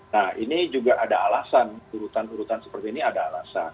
nah ini juga ada alasan urutan urutan seperti ini ada alasan